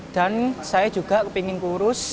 dan saya juga ingin kurus